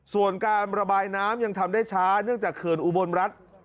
ส่วนการระบายน้ำยังทำได้ช้าเนื่องจากเขื่อนอุบลรัฐ